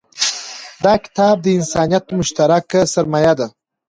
دا کتاب د انسانیت مشترکه سرمایه ده.